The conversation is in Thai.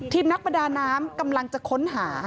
นักประดาน้ำกำลังจะค้นหา